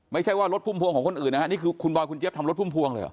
ไม่ใช่ว่ารถพุ่มพวงของคนอื่นนะฮะนี่คือคุณบอยคุณเจี๊ยทำรถพุ่มพวงเลยเหรอ